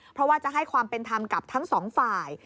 เพราะว่าจะให้ความเป็นธรรมกับทั้งสองฝ่าย